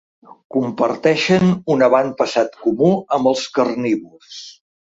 Comparteixen un avantpassat comú amb els carnívors.